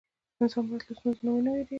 انسان باید له ستونزو ونه ویریږي.